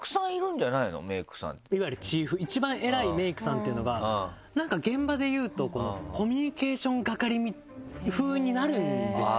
いわゆるチーフ一番偉いメイクさんっていうのがなんか現場でいうとコミュニケーション係ふうになるんですよ